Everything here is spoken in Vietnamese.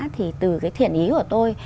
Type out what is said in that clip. thì từ cái thiện ý của tôi